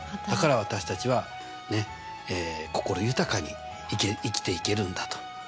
だから私たちはねっ心豊かに生きていけるんだと。